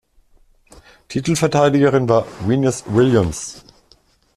Titelverteidigerin war Venus Williams.